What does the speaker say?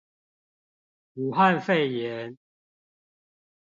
武漢肺炎